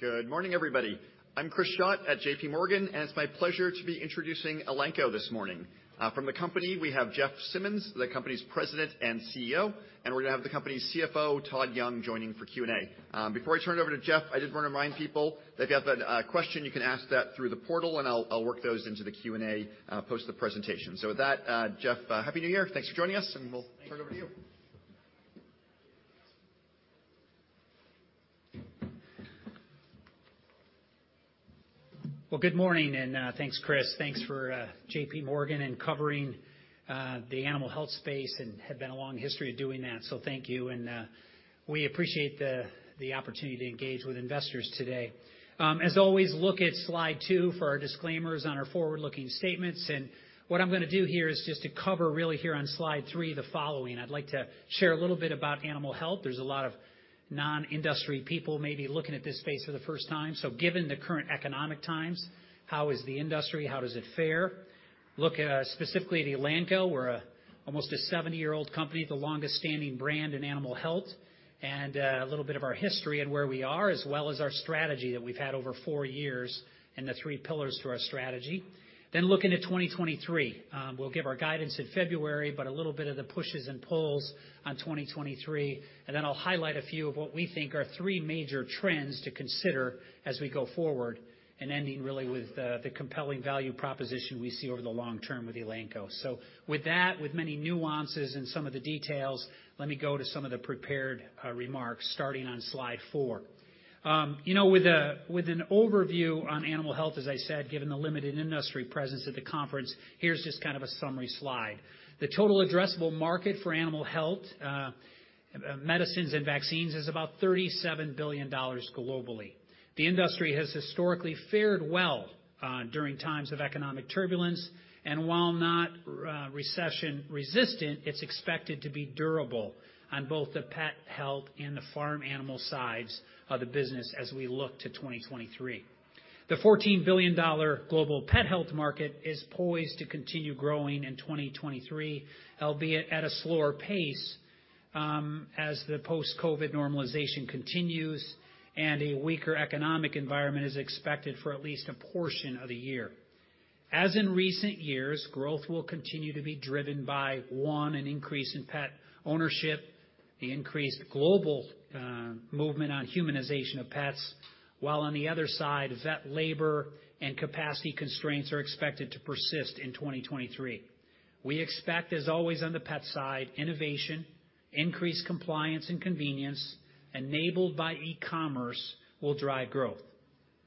Good morning, everybody. I'm Chris Schott at JPMorgan, It's my plea sure to be introducing Elanco this morning. From the company, we have Jeff Simmons, the company's President and CEO, We're gonna have the company's CFO, Todd Young, joining for Q&A. Before I turn it over to Jeff, I just wanna remind people that if you have a question, you can ask that through the portal, I'll work those into the Q&A post the presentation. With that, Jeff, happy New Year. Thanks for joining us, and we'll turn it over to you. Well, good morning, and thanks, Chris. Thanks for JPMorgan in covering the animal health space and have been a long history of doing that. Thank you, and we appreciate the opportunity to engage with investors today. As always, look at slide two for our disclaimers on our forward-looking statements. What I'm gonna do here is just to cover really here on slide three, the following. I'd like to share a little bit about animal health. There's a lot of non-industry people maybe looking at this space for the first time. Given the current economic times, how is the industry? How does it fare? Look, specifically at Elanco. We're almost a 70-year-old company, the longest standing brand in animal health, a little bit of our history and where we are, as well as our strategy that we've had over 4 years and the 3 pillars to our strategy. Looking at 2023. We'll give our guidance in February, but a little bit of the pushes and pulls on 2023. I'll highlight a few of what we think are 3 major trends to consider as we go forward, and ending really with the compelling value proposition we see over the long term with Elanco. With that, with many nuances and some of the details, let me go to some of the prepared remarks starting on slide 4. you know, with an overview on animal health, as I said, given the limited industry presence at the conference, here's just kind of a summary slide. The total addressable market for animal health, medicines and vaccines is about $37 billion globally. The industry has historically fared well, during times of economic turbulence, and while not recession resistant, it's expected to be durable on both the pet health and the farm animal sides of the business as we look to 2023. The $14 billion global pet health market is poised to continue growing in 2023, albeit at a slower pace, as the post-COVID normalization continues and a weaker economic environment is expected for at least a portion of the year. As in recent years, growth will continue to be driven by, one, an increase in pet ownership, the increased global movement on humanization of pets, while on the other side, vet labor and capacity constraints are expected to persist in 2023. We expect, as always on the pet side, innovation, increased compliance and convenience, enabled by e-commerce, will drive growth.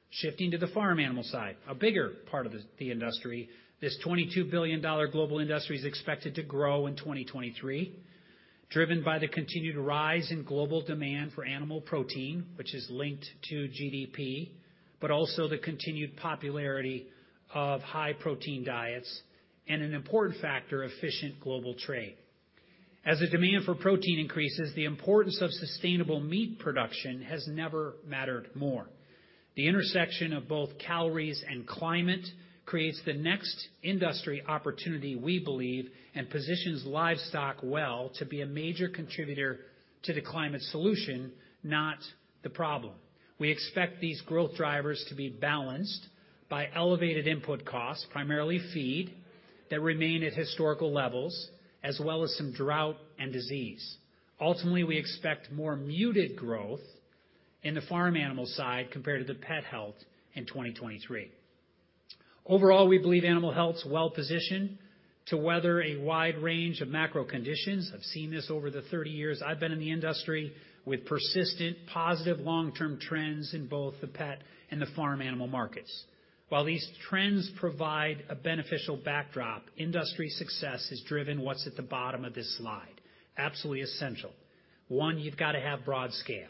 Shifting to the farm animal side, a bigger part of the industry. This $22 billion global industry is expected to grow in 2023, driven by the continued rise in global demand for animal protein, which is linked to GDP, also the continued popularity of high-protein diets and an important factor, efficient global trade. As the demand for protein increases, the importance of sustainable meat production has never mattered more. The intersection of both calories and climate creates the next industry opportunity, we believe, and positions livestock well to be a major contributor to the climate solution, not the problem. We expect these growth drivers to be balanced by elevated input costs, primarily feed, that remain at historical levels, as well as some drought and disease. Ultimately, we expect more muted growth in the farm animal side compared to the pet health in 2023. Overall, we believe animal health is well-positioned to weather a wide range of macro conditions. I've seen this over the 30 years I've been in the industry with persistent positive long-term trends in both the pet and the farm animal markets. While these trends provide a beneficial backdrop, industry success has driven what's at the bottom of this slide. Absolutely essential. 1, you've got to have broad scale.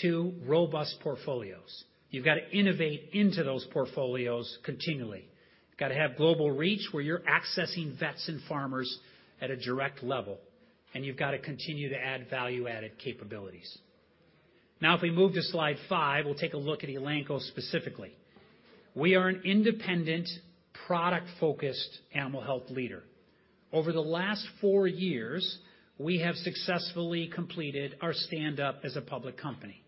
2, robust portfolios. You've got to innovate into those portfolios continually. Got to have global reach where you're accessing vets and farmers at a direct level, and you've got to continue to add value-added capabilities. If we move to slide 5, we'll take a look at Elanco specifically. We are an independent, product-focused animal health leader. Over the last 4 years, we have successfully completed our stand up as a public company.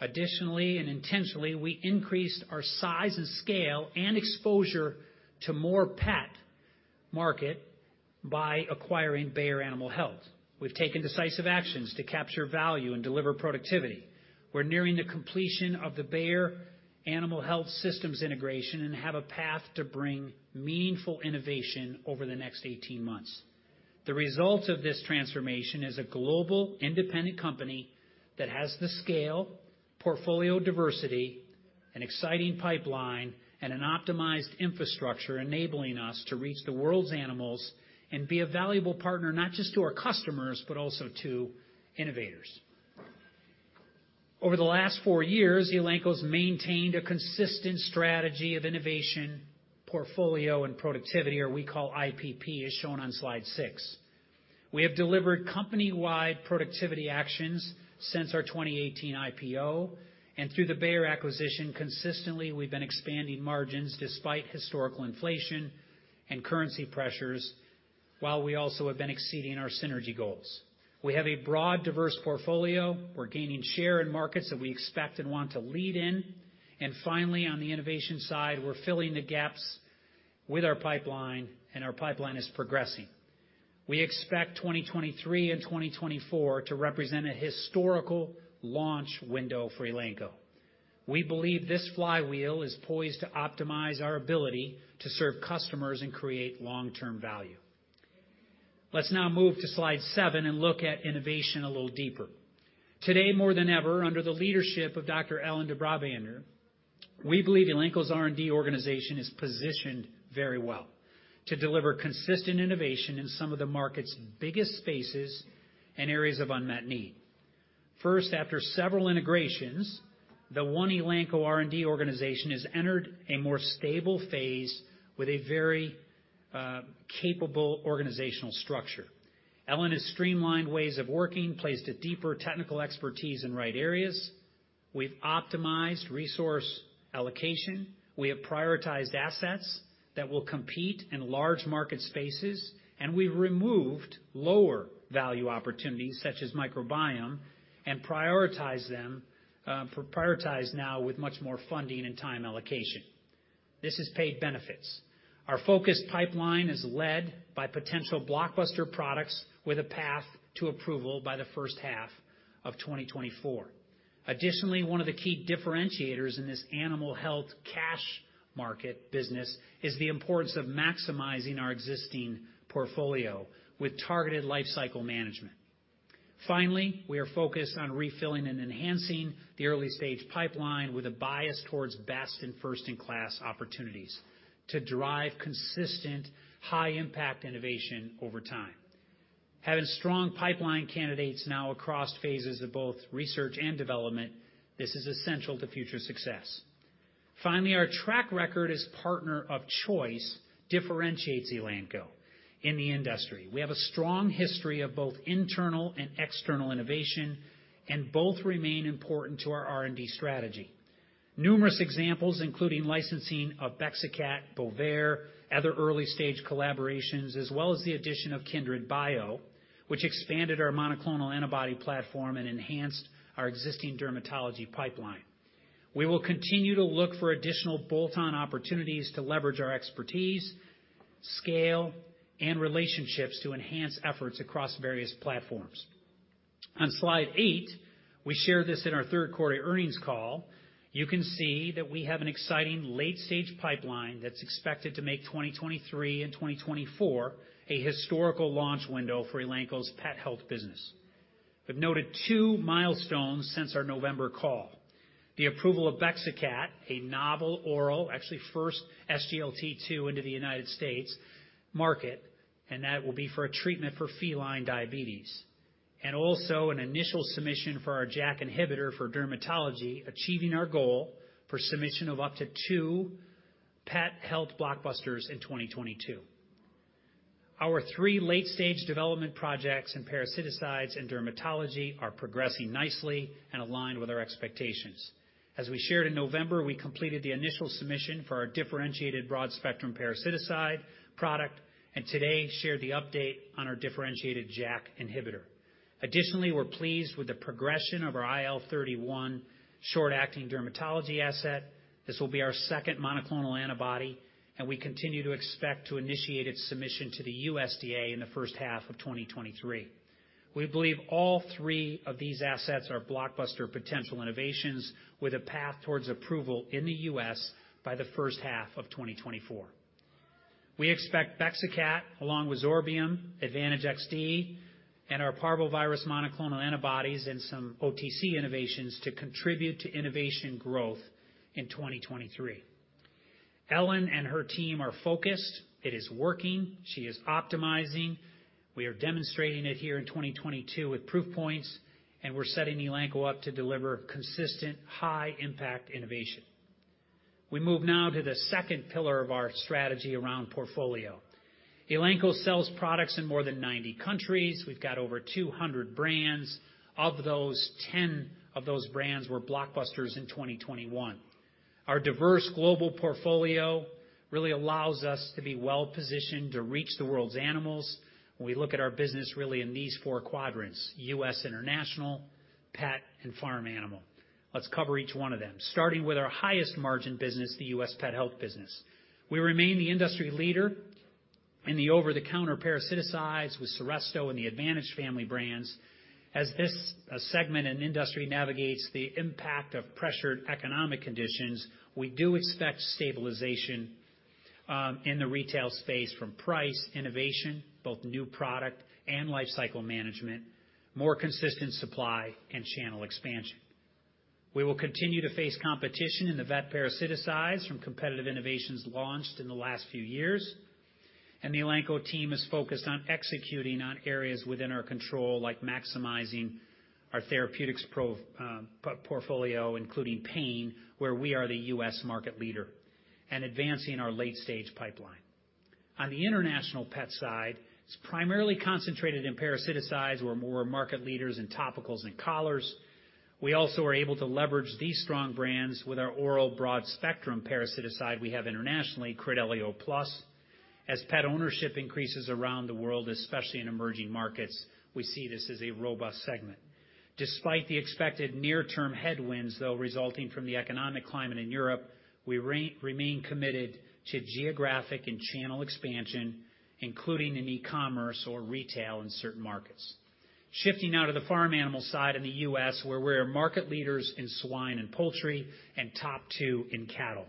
Additionally and intentionally, we increased our size and scale and exposure to more pet market by acquiring Bayer Animal Health. We've taken decisive actions to capture value and deliver productivity. We're nearing the completion of the Bayer Animal Health systems integration and have a path to bring meaningful innovation over the next 18 months. The result of this transformation is a global independent company that has the scale, portfolio diversity, an exciting pipeline, and an optimized infrastructure, enabling us to reach the world's animals and be a valuable partner, not just to our customers, but also to innovators. Over the last four years, Elanco's maintained a consistent strategy of innovation, portfolio, and productivity, or we call IPP, as shown on slide six. We have delivered company-wide productivity actions since our 2018 IPO, and through the Bayer acquisition, consistently, we've been expanding margins despite historical inflation and currency pressures. While we also have been exceeding our synergy goals. We have a broad, diverse portfolio. We're gaining share in markets that we expect and want to lead in. Finally, on the innovation side, we're filling the gaps with our pipeline, and our pipeline is progressing. We expect 2023 and 2024 to represent a historical launch window for Elanco. We believe this flywheel is poised to optimize our ability to serve customers and create long-term value. Let's now move to slide 7 and look at innovation a little deeper. Today, more than ever, under the leadership of Dr. Ellen de Brabander, we believe Elanco's R&D organization is positioned very well to deliver consistent innovation in some of the market's biggest spaces and areas of unmet need. First, after several integrations, the one Elanco R&D organization has entered a more stable phase with a very capable organizational structure. Ellen has streamlined ways of working, placed a deeper technical expertise in right areas. We've optimized resource allocation. We have prioritized assets that will compete in large market spaces, and we've removed lower value opportunities such as microbiome and prioritize now with much more funding and time allocation. This has paid benefits. Our focused pipeline is led by potential blockbuster products with a path to approval by the first half of 2024. Additionally, one of the key differentiators in this animal health cash market business is the importance of maximizing our existing portfolio with targeted lifecycle management. We are focused on refilling and enhancing the early-stage pipeline with a bias towards best and first-in-class opportunities to drive consistent, high-impact innovation over time. Having strong pipeline candidates now across phases of both research and development, this is essential to future success. Our track record as partner of choice differentiates Elanco in the industry. We have a strong history of both internal and external innovation, and both remain important to our R&D strategy. Numerous examples, including licensing of Bexacat, Bovaer, other early-stage collaborations, as well as the addition of KindredBio, which expanded our monoclonal antibody platform and enhanced our existing dermatology pipeline. We will continue to look for additional bolt-on opportunities to leverage our expertise, scale, and relationships to enhance efforts across various platforms. On slide 8, we share this in our third quarter earnings call. You can see that we have an exciting late-stage pipeline that's expected to make 2023 and 2024 a historical launch window for Elanco's pet health business. We've noted 2 milestones since our November call. The approval of Bexacat, a novel oral, actually first SGLT2 into the United States market, that will be for a treatment for feline diabetes, also an initial submission for our JAK inhibitor for dermatology, achieving our goal for submission of up to 2 pet health blockbusters in 2022. Our 3 late-stage development projects in parasiticides and dermatology are progressing nicely and aligned with our expectations. As we shared in November, we completed the initial submission for our differentiated broad-spectrum parasiticide product and today shared the update on our differentiated JAK inhibitor. We're pleased with the progression of our IL-31 short-acting dermatology asset. This will be our second monoclonal antibody, and we continue to expect to initiate its submission to the USDA in the first half of 2023. We believe all 3 of these assets are blockbuster potential innovations with a path towards approval in the U.S. by the first half of 2024. We expect Bexacat, along with Zorbium, Advantage XD, and our parvovirus monoclonal antibodies and some OTC innovations to contribute to innovation growth in 2023. Ellen and her team are focused. It is working. She is optimizing. We are demonstrating it here in 2022 with proof points. We're setting Elanco up to deliver consistent, high-impact innovation. We move now to the second pillar of our strategy around portfolio. Elanco sells products in more than 90 countries. We've got over 200 brands. Of those, 10 of those brands were blockbusters in 2021. Our diverse global portfolio really allows us to be well-positioned to reach the world's animals. We look at our business really in these four quadrants: U.S., international, pet, and farm animal. Let's cover each one of them, starting with our highest margin business, the U.S. pet health business. We remain the industry leader in the over-the-counter parasiticides with Seresto and the Advantage family brands. As this segment and industry navigates the impact of pressured economic conditions, we do expect stabilization in the retail space from price innovation, both new product and lifecycle management, more consistent supply, and channel expansion. We will continue to face competition in the vet parasiticides from competitive innovations launched in the last few years, and the Elanco team is focused on executing on areas within our control, like maximizing our therapeutics portfolio, including pain, where we are the U.S. market leader, and advancing our late-stage pipeline. On the international pet side, it's primarily concentrated in parasiticides where we're market leaders in topicals and collars. We also are able to leverage these strong brands with our oral broad-spectrum parasiticide we have internationally, Credelio Plus. As pet ownership increases around the world, especially in emerging markets, we see this as a robust segment. Despite the expected near-term headwinds, though, resulting from the economic climate in Europe, we remain committed to geographic and channel expansion, including in e-commerce or retail in certain markets. Shifting now to the farm animal side in the U.S., where we're market leaders in swine and poultry, and top 2 in cattle.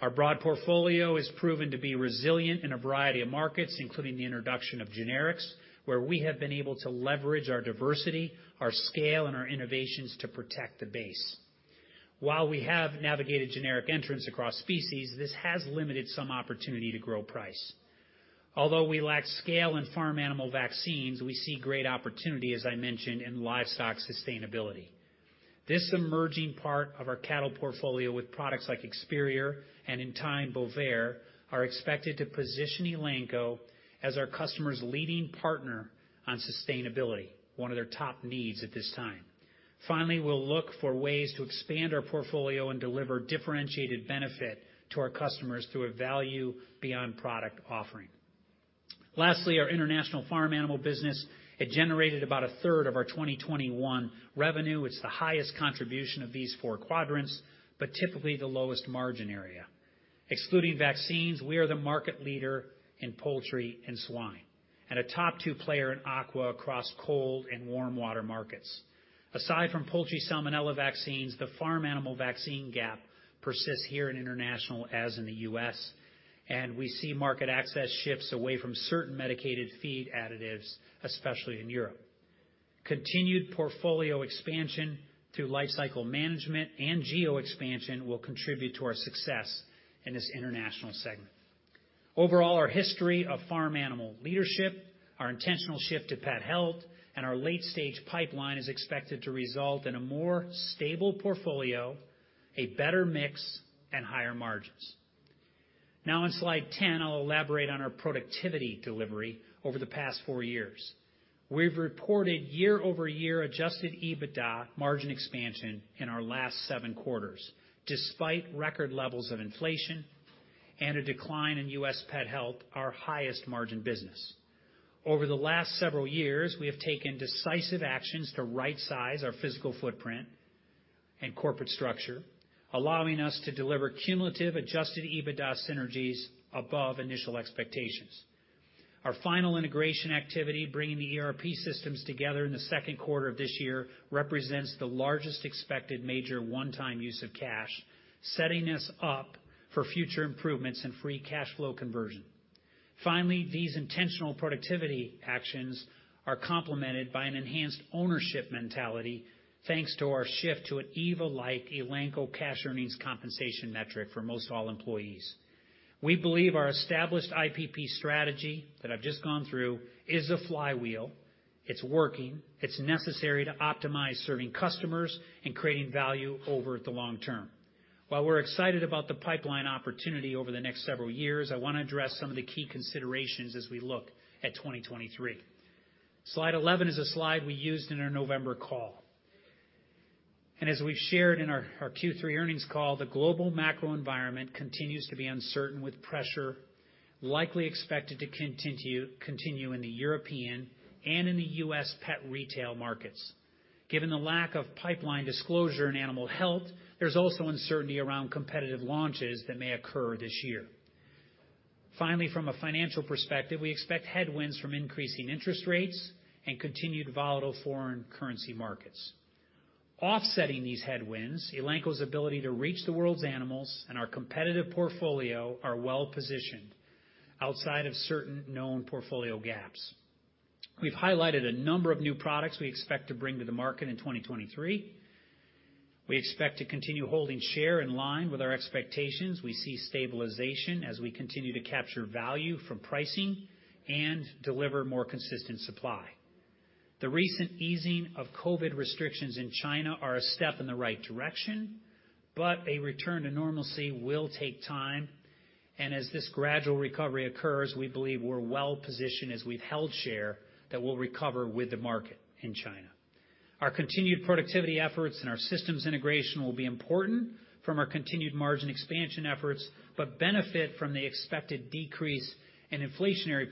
Our broad portfolio has proven to be resilient in a variety of markets, including the introduction of generics, where we have been able to leverage our diversity, our scale, and our innovations to protect the base. While we have navigated generic entrants across species, this has limited some opportunity to grow price. Although we lack scale in farm animal vaccines, we see great opportunity, as I mentioned, in livestock sustainability. This emerging part of our cattle portfolio with products like Experior and, in time, Bovaer, are expected to position Elanco as our customer's leading partner on sustainability, one of their top needs at this time. Finally, we'll look for ways to expand our portfolio and deliver differentiated benefit to our customers through a value beyond product offering. Lastly, our international farm animal business, it generated about 1/3 of our 2021 revenue. It's the highest contribution of these four quadrants, but typically the lowest margin area. Excluding vaccines, we are the market leader in poultry and swine, and a top two player in aqua across cold and warm water markets. Aside from poultry salmonella vaccines, the farm animal vaccine gap persists here in international, as in the U.S., and we see market access shifts away from certain medicated feed additives, especially in Europe. Continued portfolio expansion through lifecycle management and geo-expansion will contribute to our success in this international segment. Our history of farm animal leadership, our intentional shift to pet health, and our late stage pipeline is expected to result in a more stable portfolio, a better mix, and higher margins. On slide 10, I'll elaborate on our productivity delivery over the past 4 years. We've reported year-over-year adjusted EBITDA margin expansion in our last 7 quarters, despite record levels of inflation and a decline in U.S. pet health, our highest margin business. Over the last several years, we have taken decisive actions to rightsize our physical footprint and corporate structure, allowing us to deliver cumulative adjusted EBITDA synergies above initial expectations. Our final integration activity, bringing the ERP systems together in the second quarter of this year, represents the largest expected major one-time use of cash, setting us up for future improvements in free cash flow conversion. Finally, these intentional productivity actions are complemented by an enhanced ownership mentality, thanks to our shift to an EVA-like Elanco cash earnings compensation metric for most all employees. We believe our established IPP strategy that I've just gone through is a flywheel. It's working. It's necessary to optimize serving customers and creating value over the long term. While we're excited about the pipeline opportunity over the next several years, I wanna address some of the key considerations as we look at 2023. Slide 11 is a slide we used in our November call. As we've shared in our Q3 earnings call, the global macro environment continues to be uncertain with pressure likely expected to continue in the European and in the U.S. pet retail markets. Given the lack of pipeline disclosure in animal health, there's also uncertainty around competitive launches that may occur this year. Finally, from a financial perspective, we expect headwinds from increasing interest rates and continued volatile foreign currency markets. Offsetting these headwinds, Elanco's ability to reach the world's animals and our competitive portfolio are well-positioned outside of certain known portfolio gaps. We've highlighted a number of new products we expect to bring to the market in 2023. We expect to continue holding share in line with our expectations. We see stabilization as we continue to capture value from pricing and deliver more consistent supply. The recent easing of COVID restrictions in China are a step in the right direction, a return to normalcy will take time. As this gradual recovery occurs, we believe we're well-positioned as we've held share that will recover with the market in China. Our continued productivity efforts and our systems integration will be important from our continued margin expansion efforts, but benefit from the expected decrease in inflationary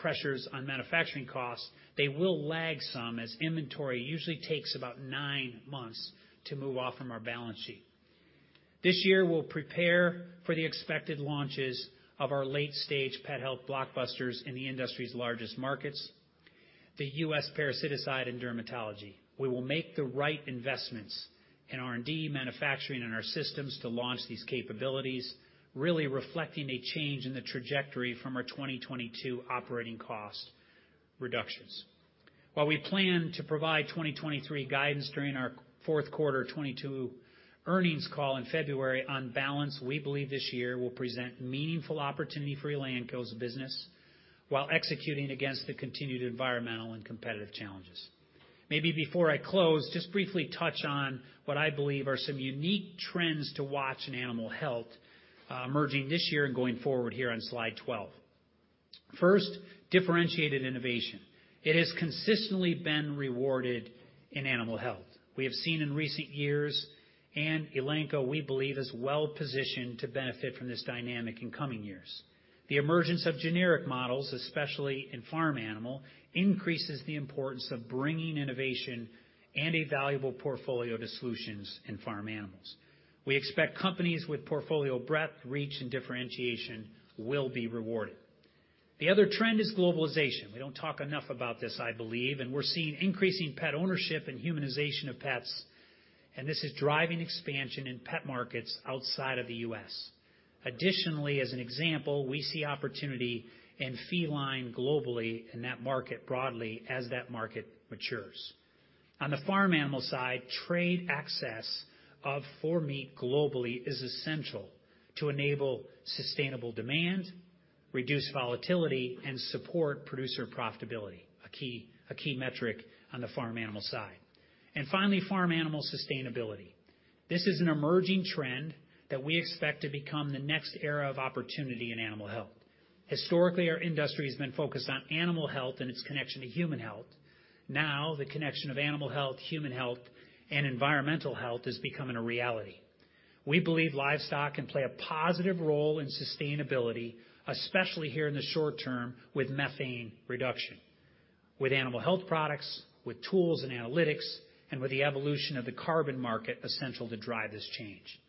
pressures on manufacturing costs. They will lag some, as inventory usually takes about 9 months to move off from our balance sheet. This year, we'll prepare for the expected launches of our late-stage pet health blockbusters in the industry's largest markets, the U.S. parasitic and dermatology. We will make the right investments in R&D, manufacturing, and our systems to launch these capabilities, really reflecting a change in the trajectory from our 2022 operating cost reductions. While we plan to provide 2023 guidance during our fourth quarter 2022 earnings call in February, on balance, we believe this year will present meaningful opportunity for Elanco's business while executing against the continued environmental and competitive challenges. Before I close, just briefly touch on what I believe are some unique trends to watch in animal health, emerging this year and going forward here on slide 12. First, differentiated innovation. It has consistently been rewarded in animal health. We have seen in recent years, and Elanco, we believe, is well-positioned to benefit from this dynamic in coming years. The emergence of generic models, especially in farm animal, increases the importance of bringing innovation and a valuable portfolio to solutions in farm animals. We expect companies with portfolio breadth, reach, and differentiation will be rewarded. The other trend is globalization. We don't talk enough about this, I believe, and we're seeing increasing pet ownership and humanization of pets, and this is driving expansion in pet markets outside of the U.S. Additionally, as an example, we see opportunity in feline globally in that market broadly as that market matures. On the farm animal side, trade access of for meat globally is essential to enable sustainable demand, reduce volatility, and support producer profitability, a key metric on the farm animal side. Finally, farm animal sustainability. This is an emerging trend that we expect to become the next era of opportunity in animal health. Historically, our industry has been focused on animal health and its connection to human health. Now, the connection of animal health, human health, and environmental health is becoming a reality. We believe livestock can play a positive role in sustainability, especially here in the short term with methane reduction, with animal health products, with tools and analytics, and with the evolution of the carbon market essential to drive this change.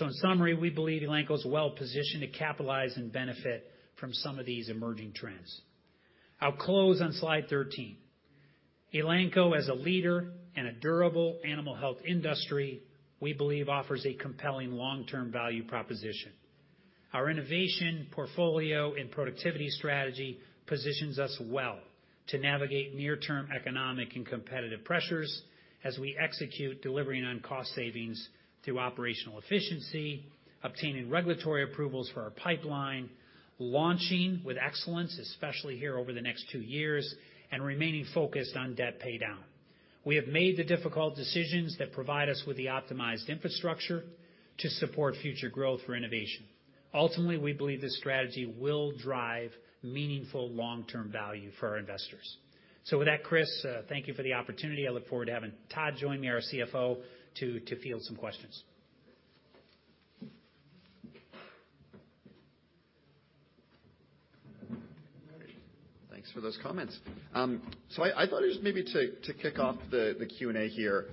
In summary, we believe Elanco is well-positioned to capitalize and benefit from some of these emerging trends. I'll close on slide 13. Elanco, as a leader in a durable animal health industry, we believe offers a compelling long-term value proposition. Our innovation portfolio and productivity strategy positions us well to navigate near-term economic and competitive pressures as we execute delivering on cost savings through operational efficiency, obtaining regulatory approvals for our pipeline, launching with excellence, especially here over the next 2 years, and remaining focused on debt paydown. We have made the difficult decisions that provide us with the optimized infrastructure to support future growth for innovation. Ultimately, we believe this strategy will drive meaningful long-term value for our investors. With that, Chris, thank you for the opportunity. I look forward to having Todd join me, our CFO, to field some questions. Thanks for those comments. I thought just maybe to kick off the Q&A here,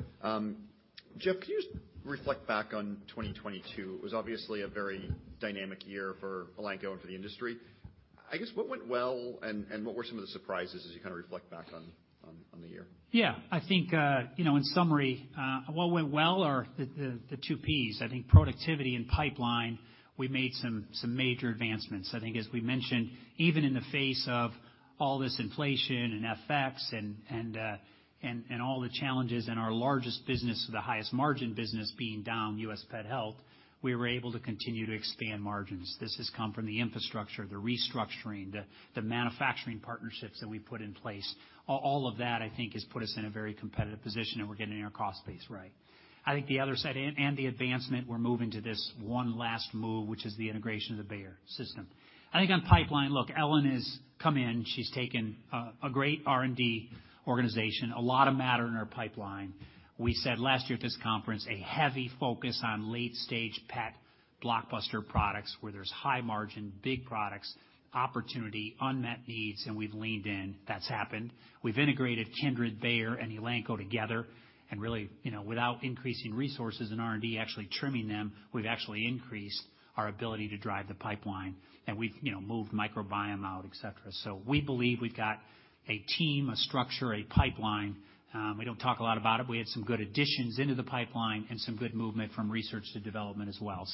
Jeff, can you just reflect back on 2022? It was obviously a very dynamic year for Elanco and for the industry. I guess, what went well and what were some of the surprises as you kind of reflect back on the year? Yeah. I think, you know, in summary, what went well are the two Ps. I think productivity and pipeline, we made some major advancements. I think as we mentioned, even in the face of all this inflation and FX and all the challenges in our largest business or the highest margin business being down U.S. pet health, we were able to continue to expand margins. This has come from the infrastructure, the restructuring, the manufacturing partnerships that we put in place. All of that, I think, has put us in a very competitive position, we're getting our cost base right. I think the other side... The advancement, we're moving to this one last move, which is the integration of the Bayer system. I think on pipeline, look, Ellen has come in. She's taken a great R&D organization, a lot of matter in our pipeline. We said last year at this conference, a heavy focus on late-stage pet blockbuster products where there's high margin, big products, opportunity, unmet needs. We've leaned in. That's happened. We've integrated Kindred, Bayer, and Elanco together. Really, you know, without increasing resources in R&D, actually trimming them, we've actually increased our ability to drive the pipeline. We've, you know, moved microbiome out, et cetera. We believe we've got a team, a structure, a pipeline. We don't talk a lot about it. We had some good additions into the pipeline and some good movement from research to development as well.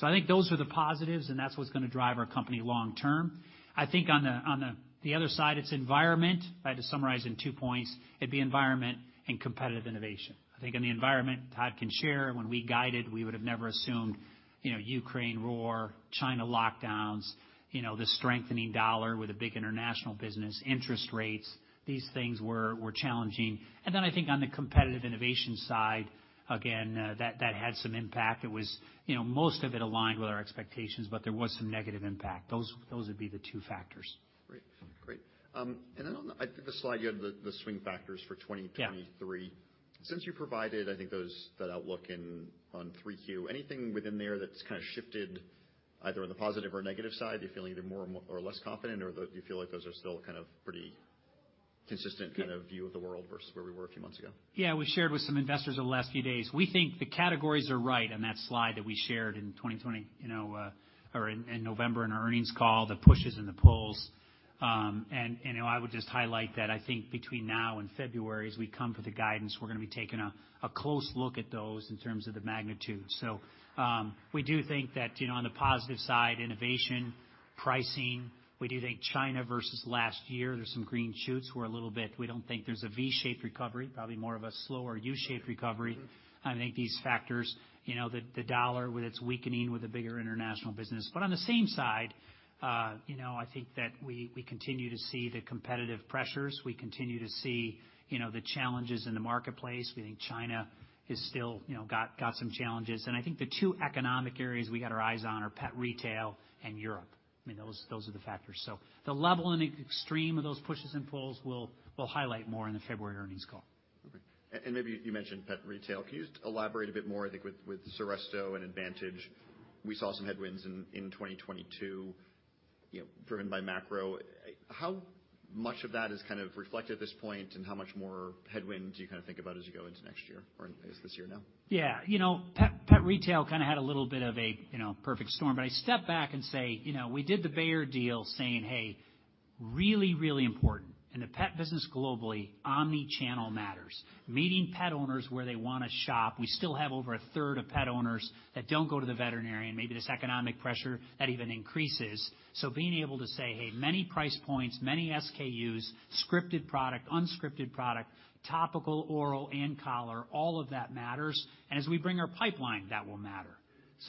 I think those are the positives, and that's what's gonna drive our company long term. I think on the other side, it's environment. If I had to summarize in two points, it'd be environment and competitive innovation. I think on the environment, Todd can share, when we guided, we would have never assumed, you know, Ukraine war, China lockdowns, you know, the strengthening dollar with a big international business, interest rates. These things were challenging. Then I think on the competitive innovation side, again, that had some impact. It was, you know, most of it aligned with our expectations, but there was some negative impact. Those would be the two factors. Great. Great. I think the slide, you had the swing factors for 2023. Yeah. Since you provided, I think, those, that outlook in, on 3Q, anything within there that's kind of shifted either on the positive or negative side? Are you feeling either more or less confident, or do you feel like those are still kind of pretty consistent kind of view of the world versus where we were a few months ago? Yeah. We shared with some investors over the last few days. We think the categories are right on that slide that we shared in 2020, you know, or in November in our earnings call, the pushes and the pulls. And I would just highlight that I think between now and February, as we come for the guidance, we're gonna be taking a close look at those in terms of the magnitude. We do think that, you know, on the positive side, innovation, pricing, we do think China versus last year, there's some green shoots. We don't think there's a V-shaped recovery, probably more of a slower U-shaped recovery. I think these factors, you know, the dollar with its weakening with the bigger international business. On the same side, you know, I think that we continue to see the competitive pressures. We continue to see, you know, the challenges in the marketplace. We think China is still, you know, got some challenges. I think the two economic areas we got our eyes on are pet retail and Europe. I mean, those are the factors. The level and extreme of those pushes and pulls, we'll highlight more in the February earnings call. Okay. Maybe you mentioned pet retail. Can you just elaborate a bit more, I think, with Seresto and Advantage? We saw some headwinds in 2022. You know, driven by macro, how much of that is kind of reflected at this point, and how much more headwind do you kind of think about as you go into next year or is this year now? You know, pet retail kind of had a little bit of a, you know, perfect storm. I step back and say, you know, we did the Bayer deal saying, hey, really, really important in the pet business globally, omni-channel matters. Meeting pet owners where they wanna shop. We still have over a third of pet owners that don't go to the veterinarian, maybe this economic pressure that even increases. Being able to say, "Hey, many price points, many SKUs, scripted product, unscripted product, topical, oral, and collar," all of that matters. As we bring our pipeline, that will matter.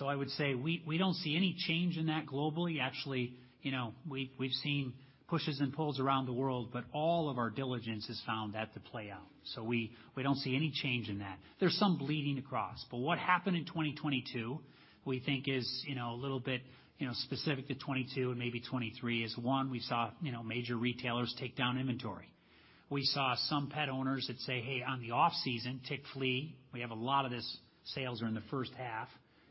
I would say we don't see any change in that globally. Actually, you know, we've seen pushes and pulls around the world, but all of our diligence has found that to play out. We don't see any change in that. There's some bleeding across. What happened in 2022, we think is, you know, a little bit, you know, specific to 22 and maybe 23 is, 1, we saw, you know, major retailers take down inventory. We saw some pet owners that say, "Hey, on the off-season, tick/flea," we have a lot of this sales are in the first half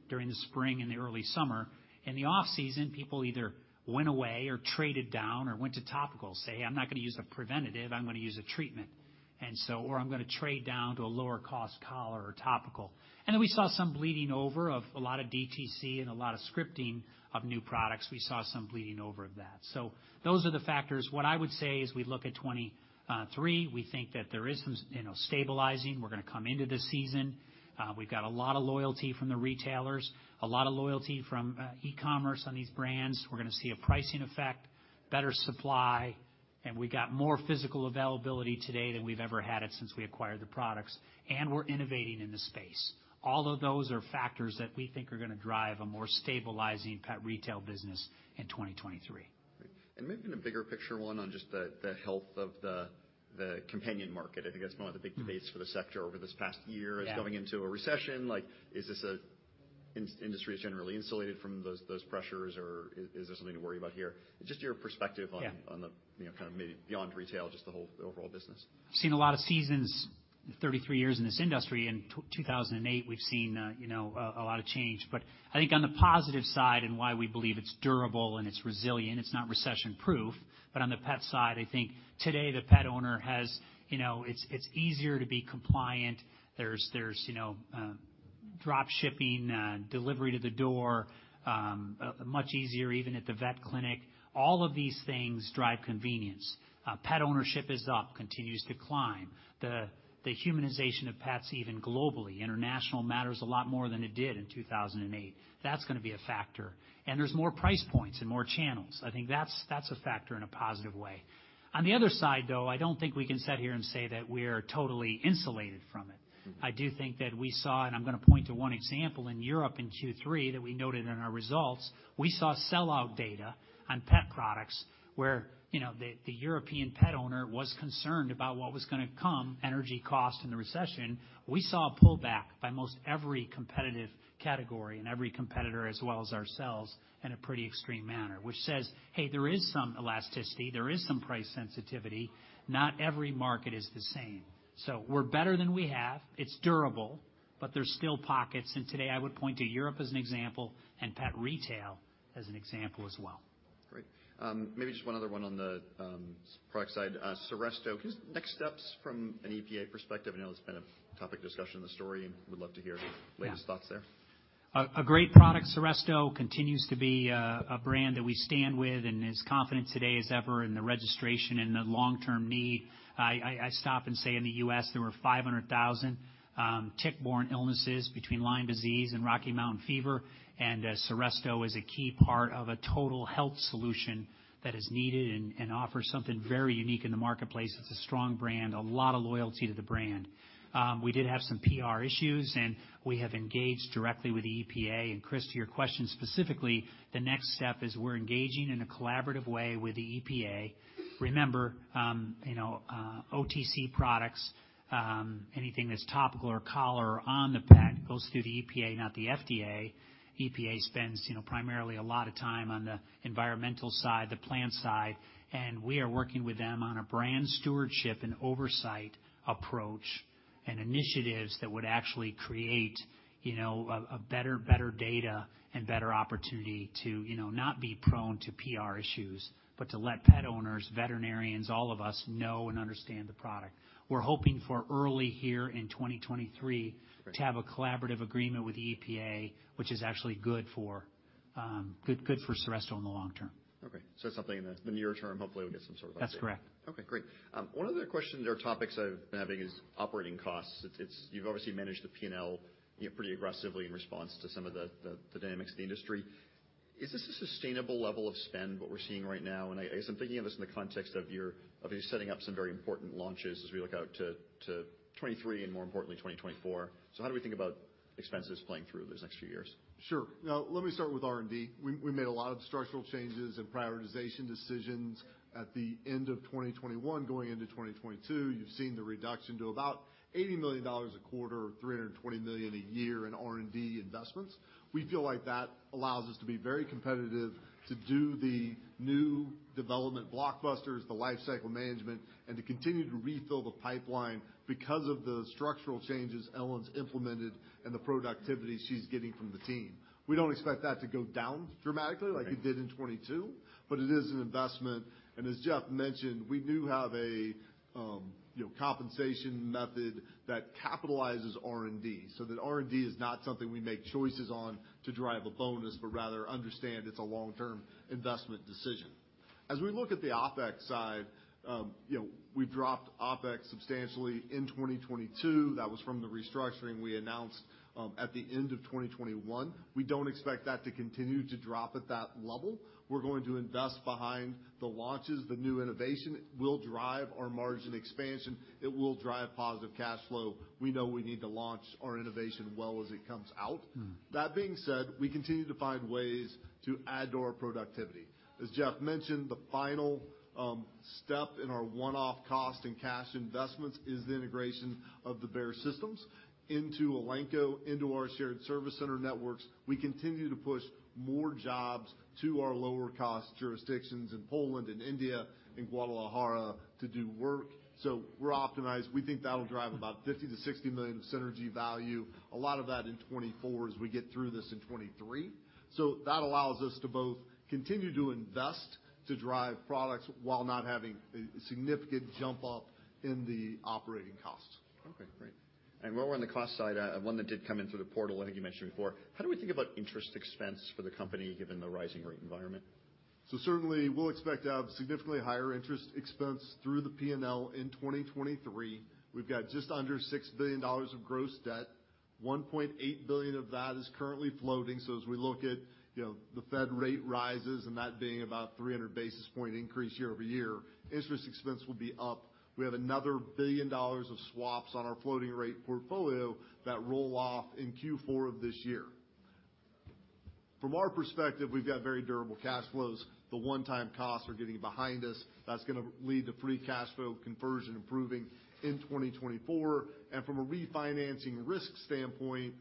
during the spring and the early summer. In the off-season, people either went away or traded down or went to topical, say, "I'm not gonna use a preventative, I'm gonna use a treatment." Or, "I'm gonna trade down to a lower cost collar or topical." We saw some bleeding over of a lot of DTC and a lot of scripting of new products. We saw some bleeding over of that. Those are the factors. What I would say as we look at 2023, we think that there is some, you know, stabilizing. We're gonna come into the season. We've got a lot of loyalty from the retailers, a lot of loyalty from e-commerce on these brands. We're gonna see a pricing effect, better supply, and we got more physical availability today than we've ever had it since we acquired the products, and we're innovating in the space. All of those are factors that we think are gonna drive a more stabilizing pet retail business in 2023. Great. Maybe in a bigger picture one on just the health of the companion market. I think that's one of the big debates for the sector over this past year. Yeah. Is going into a recession. Like, is industry generally insulated from those pressures, or is there something to worry about here? Just your perspective on? Yeah. on the, you know, kind of maybe beyond retail, just the whole overall business. Seen a lot of seasons, 33 years in this industry. In 2008, we've seen, you know, a lot of change. I think on the positive side and why we believe it's durable and it's resilient, it's not recession-proof, but on the pet side, I think today the pet owner has, you know, it's easier to be compliant. There's, you know, drop shipping, delivery to the door, much easier even at the vet clinic. All of these things drive convenience. Pet ownership is up, continues to climb. The humanization of pets even globally. International matters a lot more than it did in 2008. That's gonna be a factor. There's more price points and more channels. I think that's a factor in a positive way. On the other side, though, I don't think we can sit here and say that we're totally insulated from it. Mm-hmm. I do think that we saw, and I'm gonna point to one example in Europe in Q3 that we noted in our results, we saw sellout data on pet products where, you know, the European pet owner was concerned about what was gonna come, energy cost in the recession. We saw a pullback by most every competitive category and every competitor as well as ourselves in a pretty extreme manner, which says, "Hey, there is some elasticity, there is some price sensitivity. Not every market is the same." We're better than we have. It's durable, but there's still pockets, and today I would point to Europe as an example and pet retail as an example as well. Great. Maybe just one other one on the product side. Seresto, next steps from an EPA perspective? I know it's been a topic discussion in the story, and would love to hear your latest thoughts there. Yeah. A great product. Seresto continues to be a brand that we stand with and as confident today as ever in the registration and the long-term need. I stop and say in the U.S., there were 500,000 tick-borne illnesses between Lyme disease and Rocky Mountain spotted fever, and Seresto is a key part of a total health solution that is needed and offers something very unique in the marketplace. It's a strong brand, a lot of loyalty to the brand. We did have some PR issues. We have engaged directly with the EPA. Chris, to your question specifically, the next step is we're engaging in a collaborative way with the EPA. Remember, you know, OTC products, anything that's topical or collar or on the pet goes through the EPA, not the FDA. EPA spends, you know, primarily a lot of time on the environmental side, the plant side, and we are working with them on a brand stewardship and oversight approach and initiatives that would actually create, you know, a better data and better opportunity to, you know, not be prone to PR issues, but to let pet owners, veterinarians, all of us know and understand the product. We're hoping for early here in 2023. Great. -to have a collaborative agreement with the EPA, which is actually good for Seresto in the long term. Okay. Something in the near term, hopefully we'll get some sort of update. That's correct. Okay, great. One of the questions or topics I've been having is operating costs. You've obviously managed the P&L, you know, pretty aggressively in response to some of the dynamics of the industry. Is this a sustainable level of spend, what we're seeing right now? I guess I'm thinking of this in the context of you setting up some very important launches as we look out to 2023, and more importantly, 2024. How do we think about expenses playing through these next few years? Sure. Let me start with R&D. We made a lot of structural changes and prioritization decisions at the end of 2021 going into 2022. You've seen the reduction to about $80 million a quarter or $320 million a year in R&D investments. We feel like that allows us to be very competitive to do the new -development blockbusters, the life cycle management, and to continue to refill the pipeline because of the structural changes Ellen's implemented and the productivity she's getting from the team. We don't expect that to go down dramatically like it did in 2022, but it is an investment. As Jeff mentioned, we do have a, you know, compensation method that capitalizes R&D, so that R&D is not something we make choices on to drive a bonus, but rather understand it's a long-term investment decision. As we look at the OpEx side, you know, we've dropped OpEx substantially in 2022. That was from the restructuring we announced at the end of 2021. We don't expect that to continue to drop at that level. We're going to invest behind the launches. The new innovation will drive our margin expansion. It will drive positive cash flow. We know we need to launch our innovation well as it comes out. Mm. That being said, we continue to find ways to add to our productivity. As Jeff mentioned, the final step in our one-off cost and cash investments is the integration of the Bayer systems into Elanco, into our shared service center networks. We continue to push more jobs to our lower cost jurisdictions in Poland and India and Guadalajara to do work. We're optimized. We think that'll drive about $50 million-$60 million of synergy value, a lot of that in 2024 as we get through this in 2023. That allows us to both continue to invest to drive products while not having a significant jump up in the operating costs. Okay, great. While we're on the cost side, one that did come in through the portal I think you mentioned before, how do we think about interest expense for the company given the rising rate environment? Certainly we'll expect to have significantly higher interest expense through the P&L in 2023. We've got just under $6 billion of gross debt. $1.8 billion of that is currently floating. As we look at, you know, the Fed rate rises and that being about 300 basis point increase year-over-year, interest expense will be up. We have another $1 billion of swaps on our floating rate portfolio that roll off in Q4 of this year. From our perspective, we've got very durable cash flows. The one-time costs are getting behind us. That's going to lead to free cash flow conversion improving in 2024. From a refinancing risk standpoint,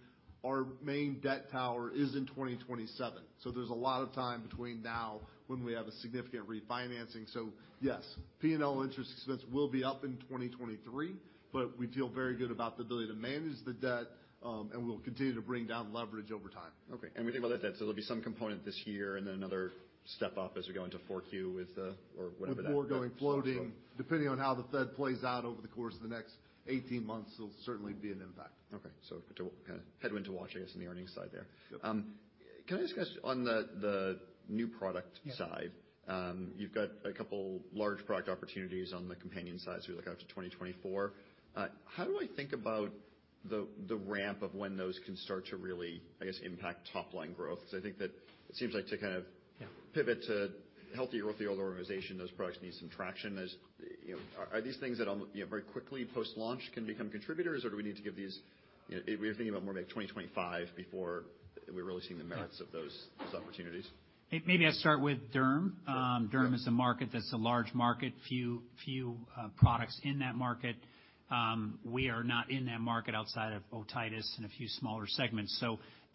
our main debt tower is in 2027. There's a lot of time between now when we have a significant refinancing. Yes, P&L interest expense will be up in 2023, but we feel very good about the ability to manage the debt, and we'll continue to bring down leverage over time. Okay. We think about that debt, there'll be some component this year and then another step up as we go into 4Q. With more going floating. Depending on how the Fed plays out over the course of the next 18 months, there'll certainly be an impact. Okay. Kinda headwind to watch, I guess, in the earnings side there. Yep. Can I discuss on the new product side? Yeah. You've got a couple large product opportunities on the companion side as we look out to 2024. How do I think about the ramp of when those can start to really, I guess, impact top-line growth? I think that it seems like Yeah. -pivot to healthy growth, the old organization, those products need some traction. As, you know. Are these things that on, you know, very quickly post-launch can become contributors, or do we need to give these... You know, if we're thinking about more like 2025 before we're really seeing the merits of those opportunities. Maybe I start with derm. Sure. Derm is a market that's a large market, few products in that market. We are not in that market outside of otitis and a few smaller segments.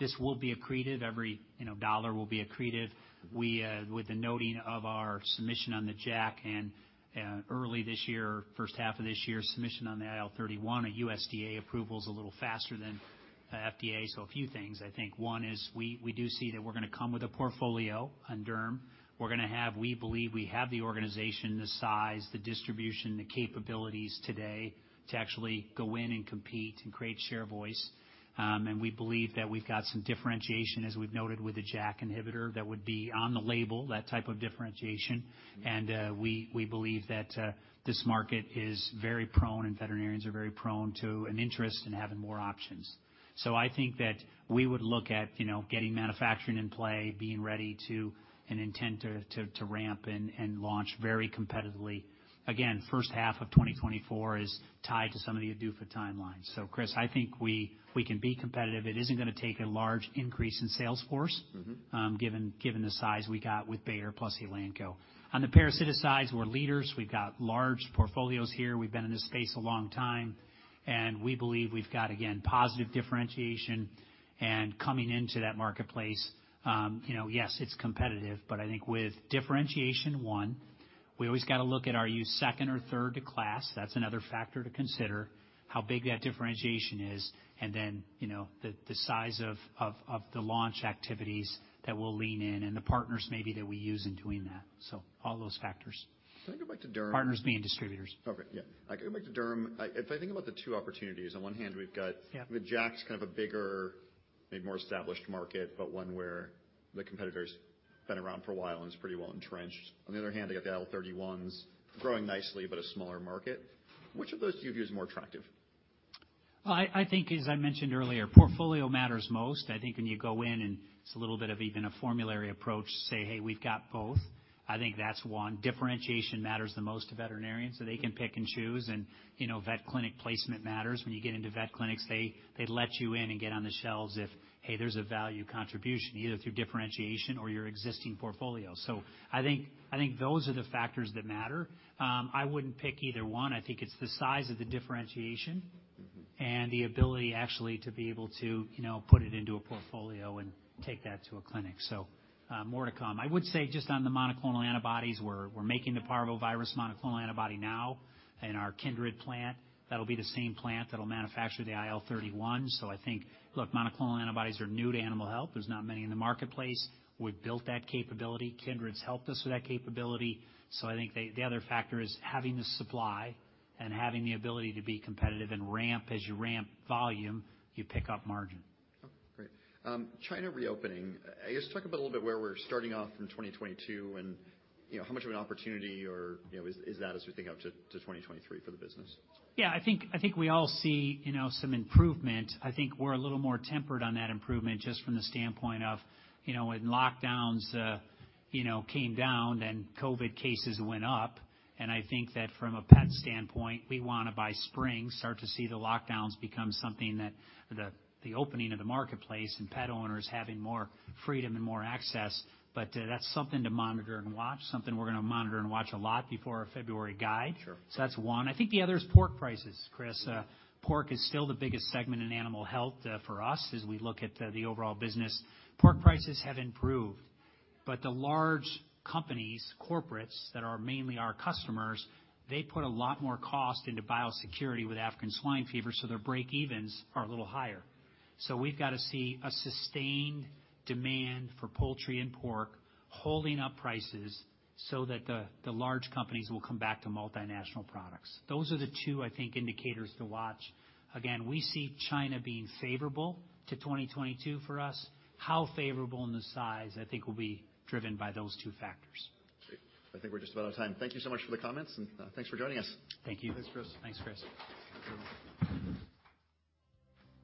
This will be accreted. Every, you know, dollar will be accreted. We, with the noting of our submission on the JAK and early this year, first half of this year, submission on the IL-31, a USDA approval is a little faster than FDA. A few things. I think one is we do see that we're gonna come with a portfolio on Derm. We believe we have the organization, the size, the distribution, the capabilities today to actually go in and compete and create share voice. We believe that we've got some differentiation, as we've noted, with the JAK inhibitor that would be on the label, that type of differentiation. Mm-hmm. We believe that this market is very prone and veterinarians are very prone to an interest in having more options. I think that we would look at, you know, getting manufacturing in play, being ready to, and intent to ramp and launch very competitively. Again, first half of 2024 is tied to some of the ADUFA timelines. Chris, I think we can be competitive. It isn't gonna take a large increase in sales force. Mm-hmm. given the size we got with Bayer plus Elanco. On the parasiticides, we're leaders. We've got large portfolios here. We've been in this space a long time, and we believe we've got, again, positive differentiation. Coming into that marketplace, you know, yes, it's competitive, but I think with differentiation, one, we always gotta look at are you second or third to class? That's another factor to consider, how big that differentiation is, and then, you know, the size of the launch activities that we'll lean in and the partners maybe that we use in doing that. All those factors. Can I go back to derm? Partners being distributors. Okay. Yeah. I go back to derm. If I think about the two opportunities, on one hand, we've got- Yeah. I mean, JAK's kind of a bigger, maybe more established market, but one where the competitor's been around for a while and is pretty well entrenched. On the other hand, you got the IL-31s growing nicely but a smaller market. Which of those do you view as more attractive? Well, I think as I mentioned earlier, portfolio matters most. I think when you go in and it's a little bit of even a formulary approach to say, "Hey, we've got both," I think that's one. Differentiation matters the most to veterinarians, so they can pick and choose. You know, vet clinic placement matters. When you get into vet clinics, they let you in and get on the shelves if, hey, there's a value contribution, either through differentiation or your existing portfolio. I think those are the factors that matter. I wouldn't pick either one. I think it's the size of the differentiation. Mm-hmm. The ability actually to be able to, you know, put it into a portfolio and take that to a clinic. More to come. I would say just on the monoclonal antibodies, we're making the parvovirus monoclonal antibody now in our Kindred plant. That'll be the same plant that'll manufacture the IL-31. I think, look, monoclonal antibodies are new to animal health. There's not many in the marketplace. We've built that capability. Kindred's helped us with that capability. I think the other factor is having the supply and having the ability to be competitive and ramp. As you ramp volume, you pick up margin. Great. China reopening, I guess talk a little bit where we're starting off from 2022 and, you know, how much of an opportunity or, you know, is that as we think of to 2023 for the business? Yeah. I think we all see, you know, some improvement. I think we're a little more tempered on that improvement just from the standpoint of, you know, when lockdowns, you know, came down, then COVID cases went up. I think that from a pet standpoint, we wanna by spring start to see the lockdowns become something that the opening of the marketplace and pet owners having more freedom and more access. That's something to monitor and watch, something we're gonna monitor and watch a lot before our February guide. Sure. That's one. I think the other is pork prices, Chris. Pork is still the biggest segment in animal health for us as we look at the overall business. Pork prices have improved, but the large companies, corporates that are mainly our customers, they put a lot more cost into biosecurity with African swine fever, so their break evens are a little higher. We've gotta see a sustained demand for poultry and pork holding up prices so that the large companies will come back to multinational products. Those are the two, I think, indicators to watch. Again, we see China being favorable to 2022 for us. How favorable and the size, I think, will be driven by those two factors. Great. I think we're just about out of time. Thank you so much for the comments, and, thanks for joining us. Thank you. Thanks, Chris. Thanks, Chris